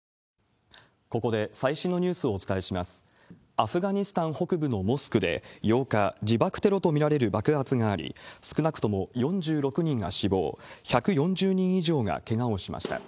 アフガニスタン北部のモスクで８日、自爆テロと見られる爆発があり、少なくとも４６人が死亡、１４０人以上がけがをしました。